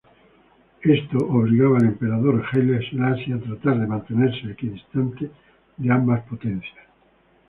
Esto obligaba al emperador Haile Selassie a tratar de mantenerse equidistante de ambas potencias.